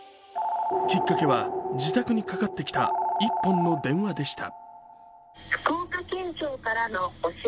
きっかけは自宅にかかってきた１本の電話でした。